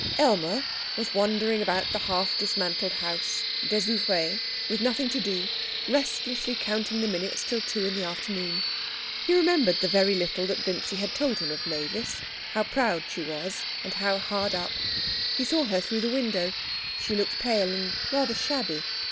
Aylmer was wandering about the half dismantled house désoeuvré, with nothing to do, restlessly counting the minutes till two in the afternoon. He remembered the very little that Vincy had told him of Mavis; how proud she was and how hard up. He saw her through the window. She looked pale and rather shabby.